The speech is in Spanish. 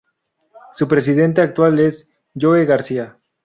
Su presidente actual es Joe Garcia.